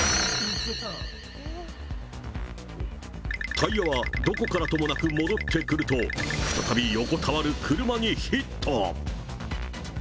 タイヤはどこからともなく戻ってくると、再び横たわる車にヒット。